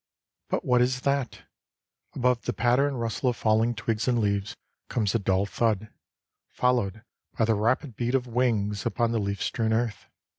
But what is that? Above the patter and rustle of falling twigs and leaves comes a dull thud, followed by the rapid beat of wings upon the leaf strewn earth.